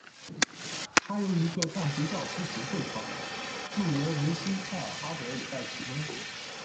它由一个大学教师协会创立，路德维希埃尔哈德也在其中。